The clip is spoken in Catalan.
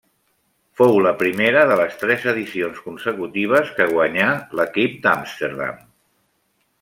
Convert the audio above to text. Fou la primera de les tres edicions consecutives que guanyà l'equip d'Amsterdam.